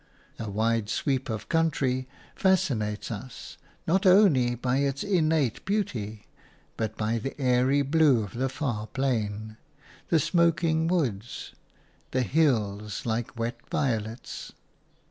A wide sweep of country fascinates us not only by its innate beauty but by the airy blue of the far plain, the smoking woods, the hills like wet violets.